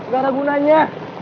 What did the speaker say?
gak ada gunanya